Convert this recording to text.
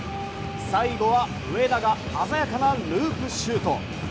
最後は上田が鮮やかなループシュート！